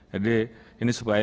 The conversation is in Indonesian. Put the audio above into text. jadi ini supaya